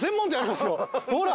ほら！